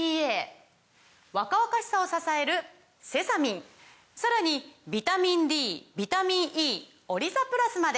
若々しさを支えるセサミンさらにビタミンＤビタミンＥオリザプラスまで！